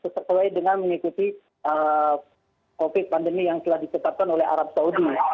sesuai dengan mengikuti covid sembilan belas yang telah disetapkan oleh arab saudi